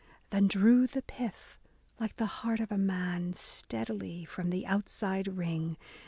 Then drew the pith, like the heart of a man, Steadily from the outside ring.